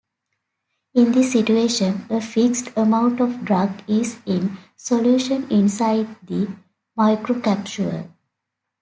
In this situation, a fixed amount of drug is in solution inside the microcapsule.